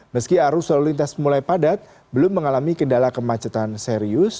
meski arus lalu lintas mulai padat belum mengalami kendala kemacetan serius